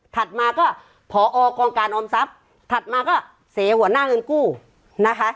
มาก็ผอกองการออมทรัพย์ถัดมาก็เสหัวหน้าเงินกู้นะคะ